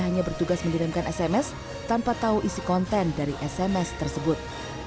hanya bertugas mengirimkan sms tanpa tahu isi konten dari sms tersebut